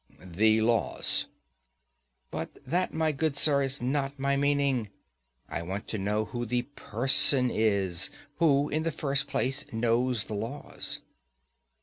The laws. But that, my good sir, is not my meaning. I want to know who the person is, who, in the first place, knows the laws.